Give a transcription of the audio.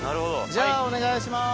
じゃあお願いします。